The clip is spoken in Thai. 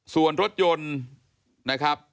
ส่วนรถยนต์นะครับ